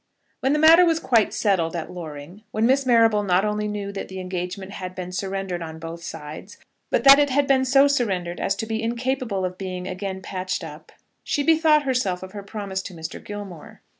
When the matter was quite settled at Loring, when Miss Marrable not only knew that the engagement had been surrendered on both sides, but that it had been so surrendered as to be incapable of being again patched up, she bethought herself of her promise to Mr. Gilmore.